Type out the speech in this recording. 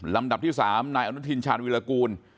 ลำดับที่๓นายอนุทินชาญวิรากูล